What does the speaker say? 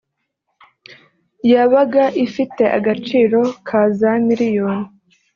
yabaga ifite agaciro ka za miliyoni